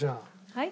はい？